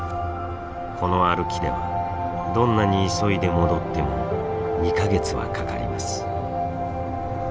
この歩きではどんなに急いで戻っても２か月はかかります。